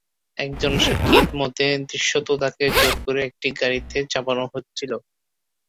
একজন সাক্ষীর মতে, দৃশ্যত তাকে জোর করে একটি গাড়িতে চাপানো হচ্ছিল।